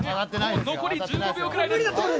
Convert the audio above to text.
残り１５秒ぐらいです。